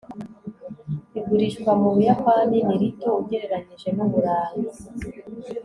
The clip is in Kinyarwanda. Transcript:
igurishwa mu buyapani ni rito ugereranije n'i burayi